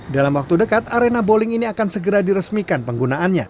dalam waktu dekat arena bowling ini akan segera diresmikan penggunaannya